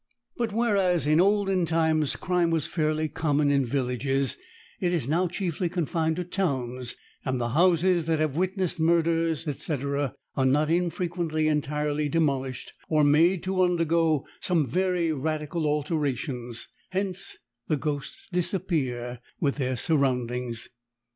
But whereas in olden times, crime was fairly common in villages, it is now chiefly confined to towns, and the houses that have witnessed murders, &c., are not infrequently entirely demolished or made to undergo some very radical alterations hence the ghosts disappear with their surroundings.